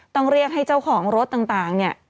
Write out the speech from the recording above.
ต้องเรียกให้เจ้าของรถต่างเนี่ย